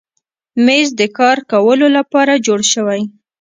مېز د کار کولو لپاره جوړ شوی.